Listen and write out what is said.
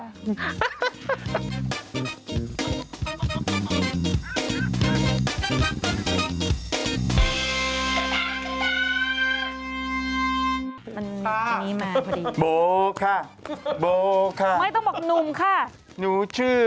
มันนี่มาพอดี